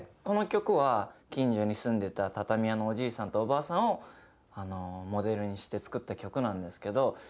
この曲は近所に住んでた畳屋のおじいさんとおばあさんをモデルにして作った曲なんですけど。